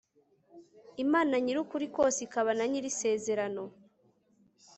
imana nyir'ukuri kose, ikaba na nyir'isezerano